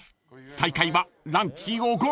［最下位はランチおごり］